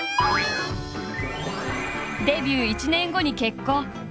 デビュー１年後に結婚。